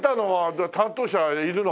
じゃあ担当者いるの？